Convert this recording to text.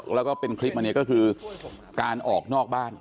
แล้วก็เป็นคลิปมาเนี่ยก็คือการออกนอกบ้าน